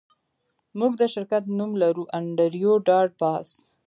موږ د شرکت نوم لرو انډریو ډاټ باس